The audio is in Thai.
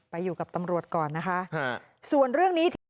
อยู่กับตำรวจก่อนนะคะส่วนเรื่องนี้ที่